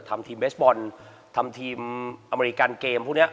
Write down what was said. ทำทีมเบสบอลทำทีมอเมริกันเกมพวกนี้